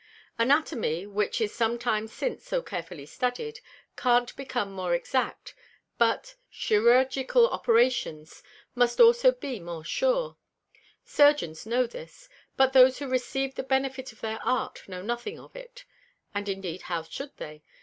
Anatomy, which is some time since so carefully study'd, can't become more exact, but Chyrurgical Operations must also be more sure. Surgeons know this; but those who receive the Benefit of their Art know nothing of it. And indeed how should they?